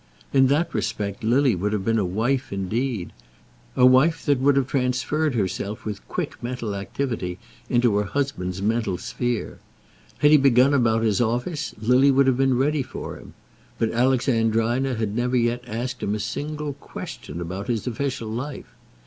In that respect Lily would have been a wife indeed, a wife that would have transferred herself with quick mental activity into her husband's mental sphere. Had he begun about his office Lily would have been ready for him, but Alexandrina had never yet asked him a single question about his official life.